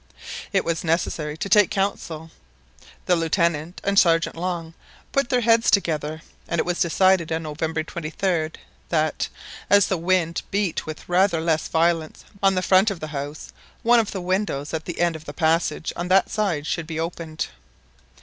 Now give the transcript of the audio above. It was necessary to take counsel; the Lieutenant and Sergeant Long put their heads together, and it was decided on November 23d that, as the wind beat with rather less violence on the front of the house, one of the windows at the end of the passage on that side should be opened.